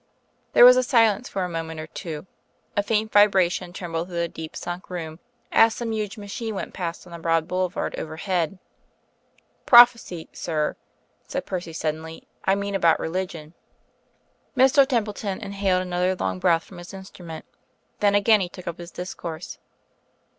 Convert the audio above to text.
There was silence for a moment or two. A faint vibration trembled through the deep sunk room as some huge machine went past on the broad boulevard overhead. "Prophesy, sir," said Percy suddenly. "I mean about religion." Mr. Templeton inhaled another long breath from his instrument. Then again he took up his discourse.